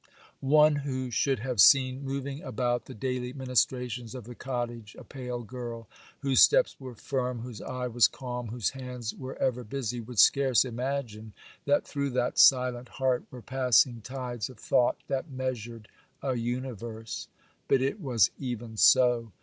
One who should have seen moving about the daily ministrations of the cottage a pale girl, whose steps were firm, whose eye was calm, whose hands were ever busy, would scarce imagine that through that silent heart were passing tides of thought that measured a universe; but it was even so.